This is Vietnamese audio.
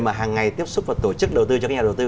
mà hàng ngày tiếp xúc và tổ chức đầu tư cho các nhà đầu tư